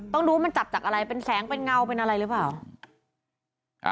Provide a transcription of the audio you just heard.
ต้องดูว่ามันจับจากอะไรเป็นแสงเป็นเงาเป็นอะไรหรือเปล่า